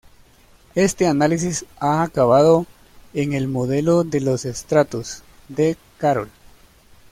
Este análisis ha acabado en el "modelo de los estratos" de Carroll.